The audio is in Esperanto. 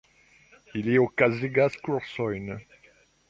Ili okazigas kursojn.